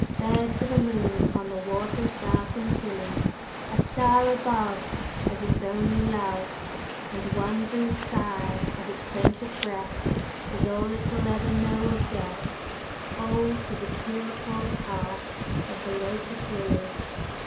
Bared to the moon on the waters dark and chilly. A star above Is its only love, And one brief sigh of its scented breath Is all it will ever know of Death; Oh, for the pure cold heart of the Lotus Lily!"